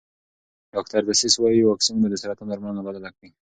ډاکټر ډسیس وايي واکسین به د سرطان درملنه بدله کړي.